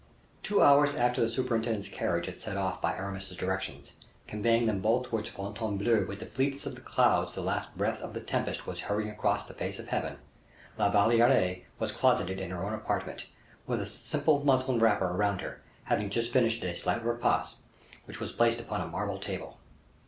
Two hours after the superintendent's carriage had set off by Aramis's directions, conveying them both towards Fontainebleau with the fleetness of the clouds the last breath of the tempest was hurrying across the face of heaven, La Valliere was closeted in her own apartment, with a simple muslin wrapper round her, having just finished a slight repast, which was placed upon a marble table.